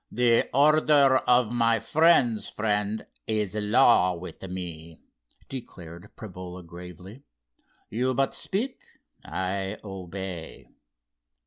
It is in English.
"The order of my friend's friend is law with me," declared Prevola, gravely. "You but speak, I obey."